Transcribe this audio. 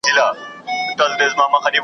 کله کله به یې ویني کړه مشوکه .